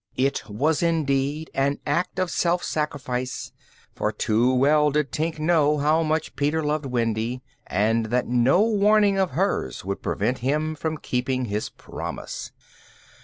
It was indeed an act of self sacrifice; for too well did Tink know how much Peter loved Wendy, and that no warning of hers would prevent him from keeping his promise.